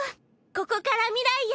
ここから未来へ！